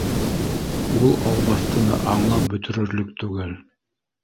— Ул албаҫтыны аңлап бөтөрөрлөк түгел